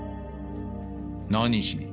何しに？